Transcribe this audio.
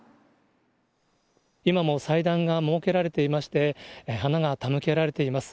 今も祭壇が設けられていまして、花が手向けられています。